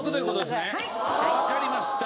わかりました。